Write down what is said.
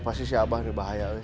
pasti si abah nih bahaya nih